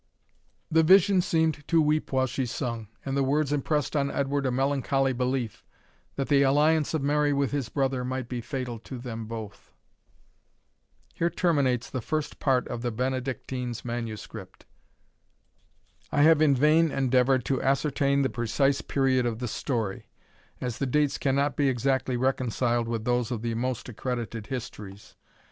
The vision seemed to weep while she sung; and the words impressed on Edward a melancholy belief, that the alliance of Mary with his brother might be fatal to them both. Here terminates the First Part of the Benedictine's Manuscript. I have in vain endeavoured to ascertain the precise period of the story, as the dates cannot be exactly reconciled with those of the most accredited histories.